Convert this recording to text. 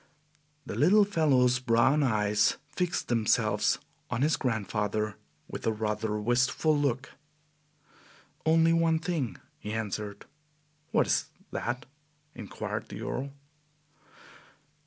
The little fellow's brown eyes fixed themselves on his grandfather with a rather wistful look. "Only one thing," he answered. "What is that?" inquired the Earl.